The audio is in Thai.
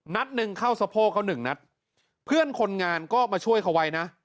นัดหนึ่งเข้าสะโพกเขาหนึ่งนัดเพื่อนคนงานก็มาช่วยเขาไว้นะ